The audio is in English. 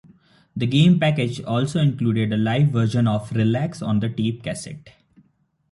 The game package also included a live version of "Relax" on tape cassette.